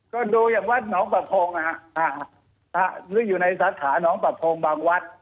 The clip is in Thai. ก็ดูอย่างวัดหนองประโพงนะฮะหรืออยู่ในสาขาน้องประโพงบางวัด